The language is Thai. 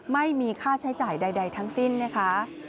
ไม่มีค่าใช้จ่ายใดทั้งสิ้นนะคะ